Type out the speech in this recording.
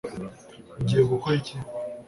ugiye gukora iki